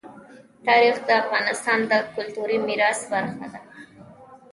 تاریخ د افغانستان د کلتوري میراث برخه ده.